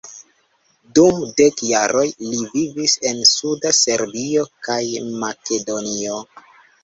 Dum dek jaroj li vivis en suda Serbio kaj Makedonio.